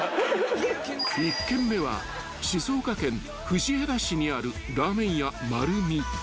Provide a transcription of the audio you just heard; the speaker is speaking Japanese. ［１軒目は静岡県藤枝市にあるらぁ麺屋まるみ］